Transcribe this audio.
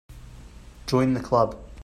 Join the Club.